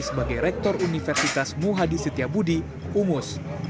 sebagai rektor universitas muhadi setiabudi umus